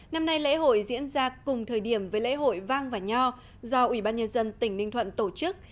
năm nay lễ hội diễn ra cùng thời điểm với lễ hội vang và nho do ủy ban nhân dân tỉnh ninh thuận tổ chức